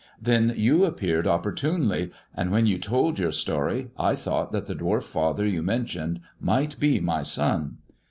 Then you appeared oppor tunely, and when you told your story I thought that the dwarf father you mentioned might be my son.